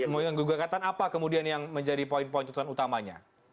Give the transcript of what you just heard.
mengajukan gugur kata apa kemudian yang menjadi poin poin utamanya